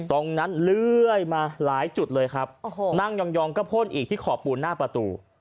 เรื่อยมาหลายจุดเลยครับโอ้โหนั่งยองก็พ่นอีกที่ขอบปูนหน้าประตู